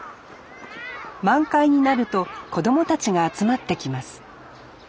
満開になると子どもたちが集まってきます